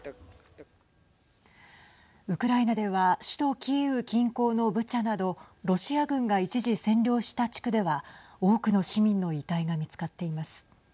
ウクライナでは首都キーウ近郊のブチャなどロシア軍が一時占領した地区では多くの市民の遺体が見つかっています。